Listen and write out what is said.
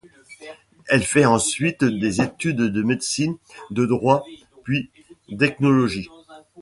Elle fait ensuite des études de médecine, de droit, puis d'ethnologie.